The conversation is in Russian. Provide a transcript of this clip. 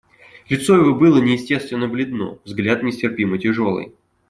Лицо его было неестественно бледно, взгляд нестерпимо тяжелый.